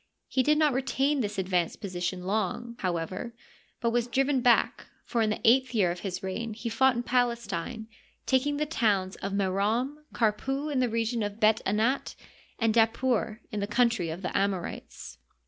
He did not retain this advanced position long, however, but was driven back, for in the eighth year of his reign he fought in Palestine, taking the towns of Merom^ Karpu in the region of Bet Anat, and Dapur in the country of the Amorites.